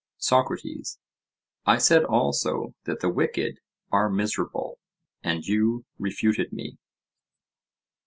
SOCRATES: I said also that the wicked are miserable, and you refuted me?